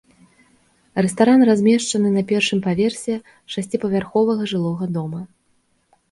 Рэстаран размешчаны на першым паверсе шасціпавярховага жылога дома.